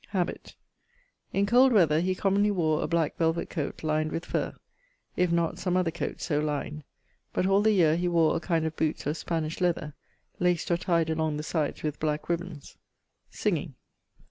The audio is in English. Habit. In cold weather he commonly wore a black velvet coate, lined with furre; if not, some other coate so lined. But all the yeare he wore a kind of bootes of Spanish leather, laced or tyed along the sides with black ribons. _Singing.